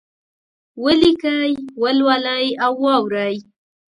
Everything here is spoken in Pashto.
ولیکئ، ولولئ او واورئ!